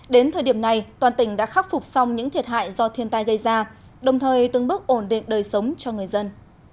đến thời điểm này toàn tỉnh đã khắc phục xong những thiệt hại do thiên tai gây ra đồng thời từng bước ổn định đời sống cho người dân